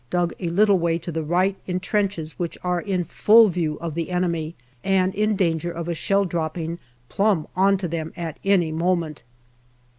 dug a little way to the right in trenches which are in full view of the enemy and in danger of a shell dropping plumb on to them at any moment.